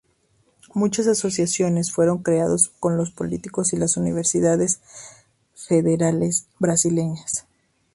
Muchas asociaciones fueron creados con los políticos y las universidades federales brasileñas.